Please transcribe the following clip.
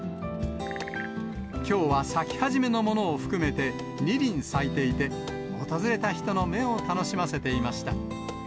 きょうは咲き始めのものを含めて２輪咲いていて、訪れた人の目を楽しませていました。